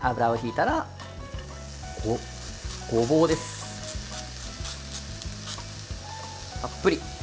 たっぷり。